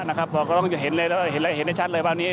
เราก็ต้องเห็นได้ชัดเลยว่านี้